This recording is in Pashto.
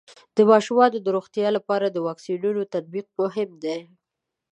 د ماشومانو د روغتیا لپاره د واکسینونو تطبیق مهم دی.